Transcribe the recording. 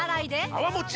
泡もち